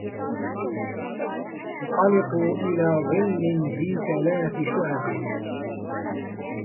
انطَلِقوا إِلى ظِلٍّ ذي ثَلاثِ شُعَبٍ